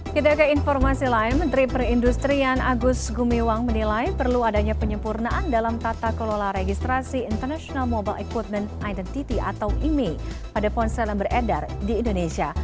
kita ke informasi lain menteri perindustrian agus gumiwang menilai perlu adanya penyempurnaan dalam tata kelola registrasi international mobile equipment identity atau imei pada ponsel yang beredar di indonesia